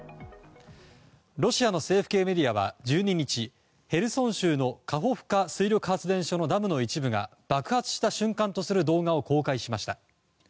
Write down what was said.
ロシアの政府系メディアは１２日ヘルソン州のカホフカ水力発電所のダムの一部が爆発した瞬間とする動画を公開しました。